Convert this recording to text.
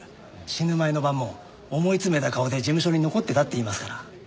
死ぬ前の晩も思い詰めた顔で事務所に残ってたって言いますから。